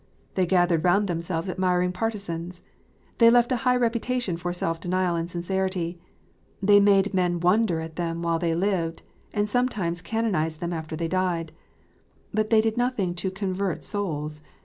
They gathered round themselves admiring partisans. They left a high reputation for self denial and sincerity. They made men wonder at them while they lived, and sometimes canonize them when they died. But they did nothing to convert souls.